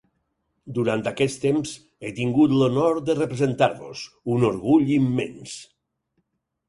Durant aquest temps he tingut l’honor de representar-vos, un orgull immens.